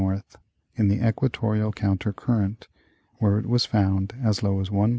in the equatorial counter current, where it was found as low as 1.02485.